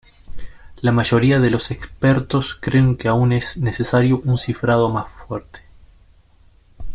La mayoría de los expertos creen que aún es necesario un cifrado más fuerte.